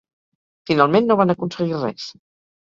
Finalment no van aconseguir res.